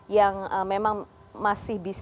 yang memang masih biasa